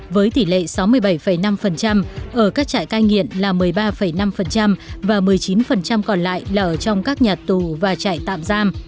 với tỷ lệ sáu mươi bảy năm ở các trại cai nghiện là một mươi ba năm và một mươi chín còn lại là ở trong các nhà tù và trại tạm giam